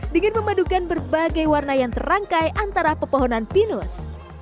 dengan memadukan berbagai warna yang terangkai antara pepohonan pinus